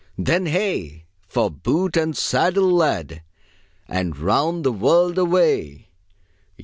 "Then hey! for boot and saddle, lad, And round the world away!